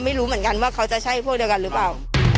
ไม่รู้เหมือนกันว่าเขาจะใช่พวกเดียวกันหรือเปล่า